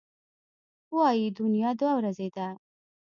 وايي دنیا دوه ورځې ده.